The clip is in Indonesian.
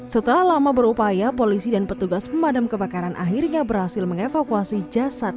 setelah lama berupaya polisi dan petugas pemadam kebakaran akhirnya berhasil mengevakuasi jasad